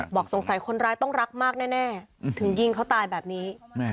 บอกสงสัยคนร้ายต้องรักมากแน่ถึงยิงเขาตายแบบนี้